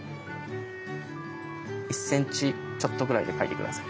１センチちょっとぐらいで書いて下さい。